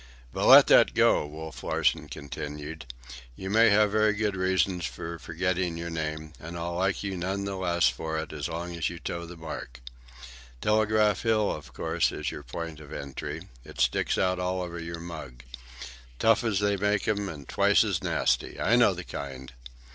"But let that go," Wolf Larsen continued. "You may have very good reasons for forgetting your name, and I'll like you none the worse for it as long as you toe the mark. Telegraph Hill, of course, is your port of entry. It sticks out all over your mug. Tough as they make them and twice as nasty. I know the kind.